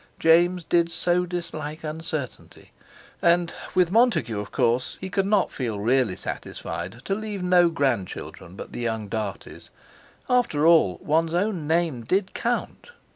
James did so dislike uncertainty; and with Montague, of course, he could not feel really satisfied to leave no grand children but the young Darties. After all, one's own name did count!